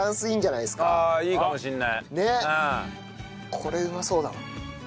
これうまそうだな。